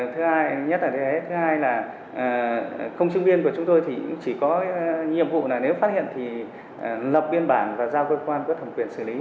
thứ hai nhất là thứ hai là công chứng viên của chúng tôi thì cũng chỉ có nhiệm vụ là nếu phát hiện thì lập biên bản và giao cơ quan có thẩm quyền xử lý